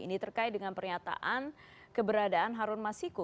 ini terkait dengan pernyataan keberadaan harun masiku